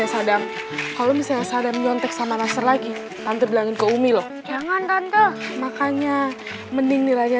sadam sadam nyontek sama naster lagi tante bilangin ke umi loh makanya mending nilainya